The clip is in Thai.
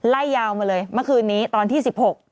ไล่ยาวมาเลยเมื่อคืนนี้ตอนที่๑๖